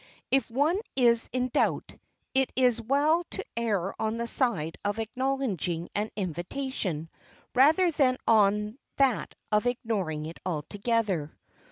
If one is in doubt, it is well to err on the side of acknowledging an invitation, rather than on that of ignoring it altogether.